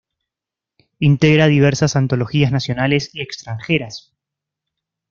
Integra diversas antologías nacionales y extranjeras.